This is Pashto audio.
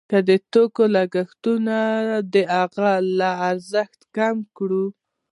که د توکو لګښتونه د هغه له ارزښت کم کړو